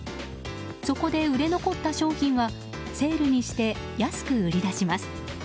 そこで売れ残った商品はセールにして安く売り出します。